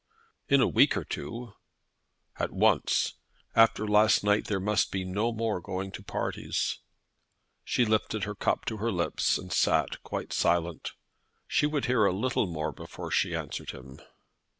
"In a week or two." "At once. After last night, there must be no more going to parties." She lifted her cup to her lips and sat quite silent. She would hear a little more before she answered him.